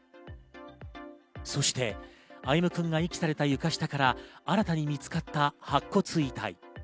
そして、歩夢くんが遺棄された床下から新たに見つかった白骨遺体。